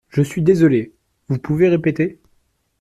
Je suis désolée. Vous pouvez répéter ?